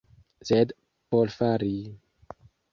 Sed por fari...